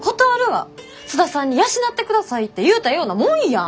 津田さんに養ってくださいて言うたようなもんやん！